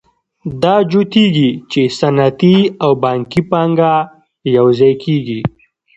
دا جوتېږي چې صنعتي او بانکي پانګه یوځای کېږي